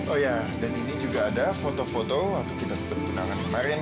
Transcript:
oh iya dan ini juga ada foto foto waktu kita bergunakan kemarin